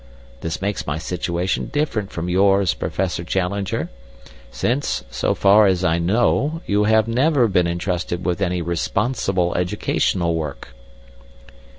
This makes my situation different from yours, Professor Challenger, since, so far as I know, you have never been entrusted with any responsible educational work."